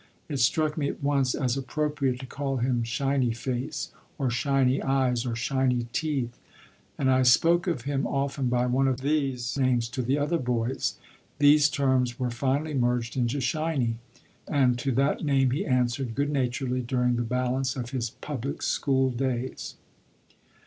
It struck me at once as appropriate to call him "Shiny Face," or "Shiny Eyes," or "Shiny Teeth," and I spoke of him often by one of these names to the other boys. These terms were finally merged into "Shiny," and to that name he answered good naturedly during the balance of his public school days.